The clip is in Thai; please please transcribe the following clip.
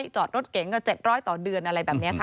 จอดรถเก๋งก็๗๐๐ต่อเดือนอะไรแบบนี้ค่ะ